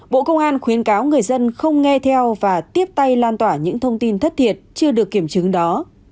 bộ công an khuyến cáo người dân không nghe theo và tiếp tay lan tỏa những thông tin thất thiệt chưa được kiểm chứng đó